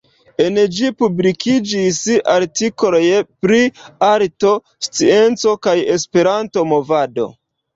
En ĝi publikiĝis artikoloj pri arto, scienco kaj esperanto-movado.